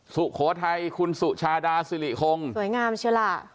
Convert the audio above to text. สุโขทัยคุณสุชาดาสิริคงสวยงามเชียวล่ะ